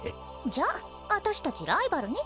じゃああたしたちライバルね。